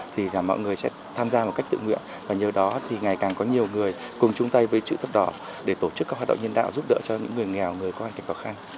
thì mọi người sẽ tham gia một cách tự nguyện và nhờ đó thì ngày càng có nhiều người cùng chung tay với chữ thập đỏ để tổ chức các hoạt động nhân đạo giúp đỡ cho những người nghèo người có hoàn cảnh khó khăn